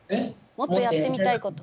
もっとやってみたいこと。